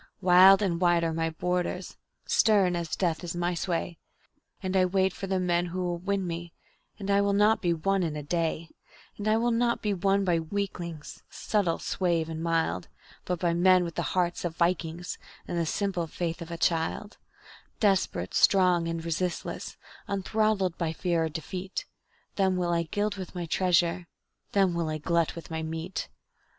Wild and wide are my borders, stern as death is my sway, And I wait for the men who will win me and I will not be won in a day; And I will not be won by weaklings, subtle, suave and mild, But by men with the hearts of vikings, and the simple faith of a child; Desperate, strong and resistless, unthrottled by fear or defeat, Them will I gild with my treasure, them will I glut with my meat.